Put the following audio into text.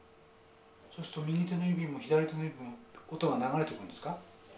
そうすると右手の指も左手の指も音が流れてくるんですか？